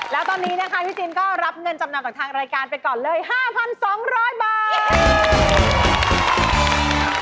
แล้วตอนนี้นะคะพี่จินก็รับเงินจำนำกับทางรายการไปก่อนเลย๕๒๐๐บาท